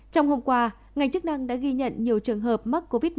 trong hôm qua ngành chức năng đã ghi nhận nhiều trường hợp mắc covid một mươi chín